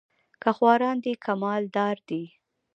که خواران دي که مال دار دي